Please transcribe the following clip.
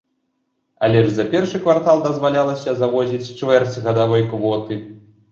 Але ж за першы квартал дазвалялася завозіць чвэрць гадавой квоты.